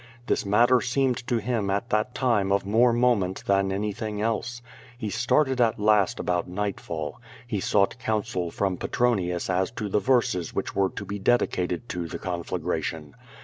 This matter seemed to him at that time of more moment than anything else. He started at last about nightfall. He sought counsel from Petronius as to the verses which were to be dedicated to the conflagration.